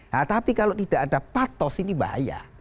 nah tapi kalau tidak ada patos ini bahaya